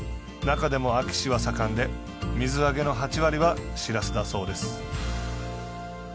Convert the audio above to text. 中でも、安芸市は盛んで、水揚げの８割は、しらすだそうです。